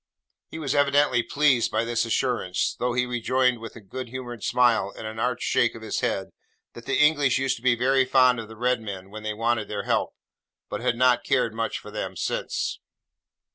He was evidently pleased by this assurance, though he rejoined with a good humoured smile and an arch shake of his head, that the English used to be very fond of the Red Men when they wanted their help, but had not cared much for them, since.